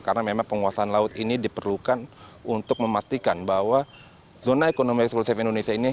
karena memang penguasaan laut ini diperlukan untuk memastikan bahwa zona ekonomi eksklusif indonesia ini